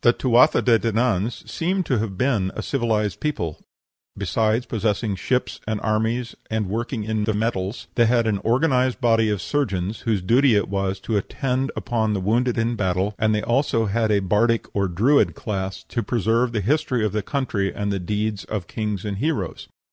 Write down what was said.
The Tuatha de Dananns seem to have been a civilized people; besides possessing ships and armies and working in the metals, they had an organized body of surgeons, whose duty it was to attend upon the wounded in battle; and they had also a bardic or Druid class, to preserve the history of the country and the deeds of kings and heroes.